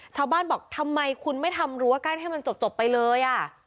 ชาวบ้านบอกทำไมคุณไม่ทำรั้วกั้นให้มันจบไปเลย